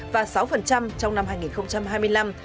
năm năm và sáu trong năm hai nghìn hai mươi năm